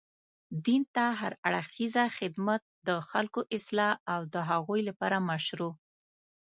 دين ته هر اړخيزه خدمت، د خلګو اصلاح او د هغوی لپاره مشروع